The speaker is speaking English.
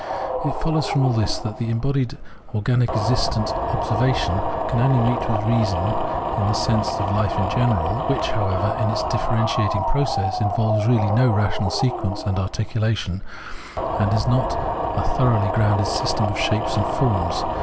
It follows from all this that in the embodied organic existence observation can only meet with reason in the sense of hf e in general, which, however, in its differentiat ing process involves really no rational sequence and articulation, and is not a thoroughly grounded system of shapes and forms.